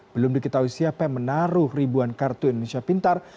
belum diketahui siapa yang menaruh ribuan kartu indonesia pintar